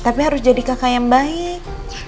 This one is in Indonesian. tapi harus jadi kakak yang baik